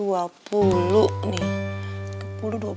oh ya belum belum